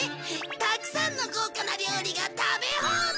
たくさんの豪華な料理が食べ放題！